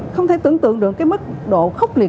không thể tưởng tượng được cái mức độ khốc liệt